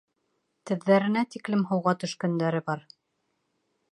Теҙҙәренә тиклем һыуға төшкәндәре бар.